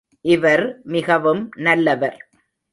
இவர் மிகவும் நல்லவர்.